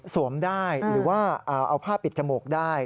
ได้หรือว่าเอาผ้าปิดจมูกได้